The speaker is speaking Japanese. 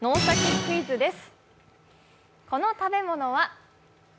クイズ」です。